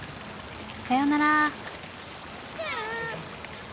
さようなら。